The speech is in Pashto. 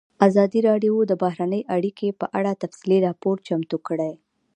ازادي راډیو د بهرنۍ اړیکې په اړه تفصیلي راپور چمتو کړی.